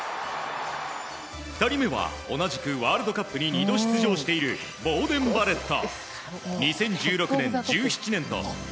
２人目は同じくワールドカップに２度出場しているボーデン・バレット。